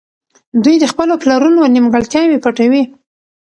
دوی د خپلو پلرونو نيمګړتياوې پټوي.